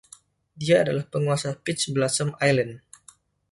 Dia adalah penguasa Peach Blossom Island.